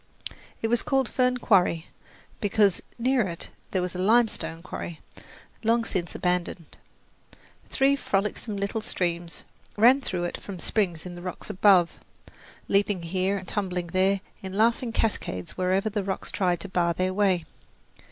It was called Fern Quarry, because near it there was a limestone quarry, long since abandoned. Three frolicsome little streams ran through it from springs in the rocks above, leaping here and tumbling there in laughing cascades wherever the rocks tried to bar their way.